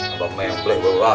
apa memplek gue rasa lo